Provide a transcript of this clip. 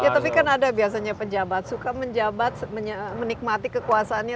tapi kan ada biasanya pejabat suka menikmati kekuasaannya